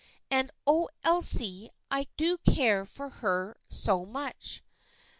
And oh, Elsie, I do care for her so much.